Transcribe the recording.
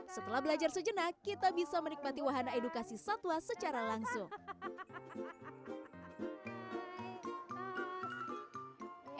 setelah belajar sejenak kita bisa menikmati wahana edukasi satwa secara langsung